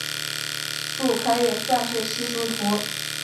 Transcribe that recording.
树可以算是稀疏图。